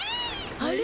あれ？